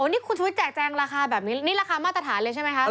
นี่คุณชุวิตแจกแจงราคาแบบนี้นี่ราคามาตรฐานเลยใช่ไหมคะ